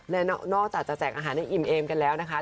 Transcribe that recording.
และนอกจากจะแจกอาหารให้อิ่มเอมกันแล้วนะคะ